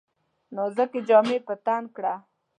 نازکي جامې په تن کړه !